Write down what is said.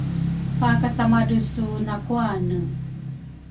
pakasamadresu nakuane.